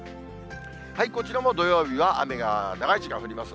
こちらも土曜日は雨が長い時間降ります。